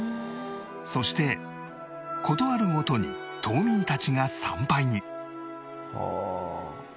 そして事あるごとに島民たちが参拝に